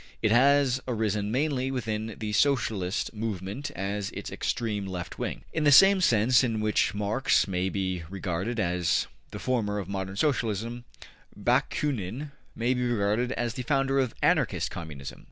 It has arisen mainly within the Socialist movement as its extreme left wing. In the same sense in which Marx may be regarded as the founder of modern Socialism, Bakunin may be regarded as the founder of Anarchist Communism.